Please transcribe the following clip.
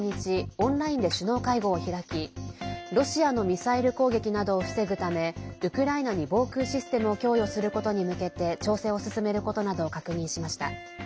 オンラインで首脳会合を開きロシアのミサイル攻撃などを防ぐためウクライナに防空システムを供与することに向けて調整を進めることなどを確認しました。